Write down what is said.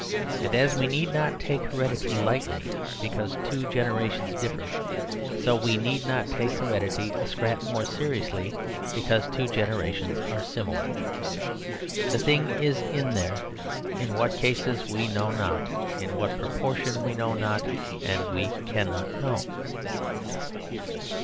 And as we need not take heredity lightly because two generations differ so we need not take heredity a scrap more seriously because two generations are similar. The thing is there, in what cases we know not, in what proportion we know not, and we cannot know.